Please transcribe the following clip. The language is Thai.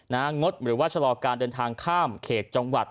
งดหรือว่าชะลอการเดินทางข้ามเขตจังหวัด